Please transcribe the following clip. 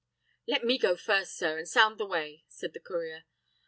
"Let me go first, sir, and sound the way," said the courier.